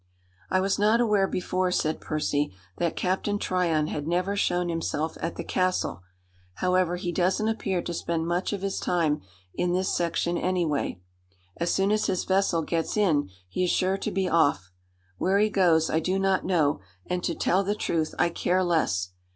"I was not aware, before," said Percy, "that Captain Tryon had never shown himself at the castle. However, he doesn't appear to spend much of his time in this section any way. As soon as his vessel gets in he is sure to be off. Where he goes I do not know; and, to tell the truth, I care less.